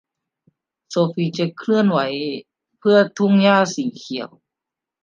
โซฟีจะเคลื่อนไหวเพื่อทุ่งหญ้าสีเขียว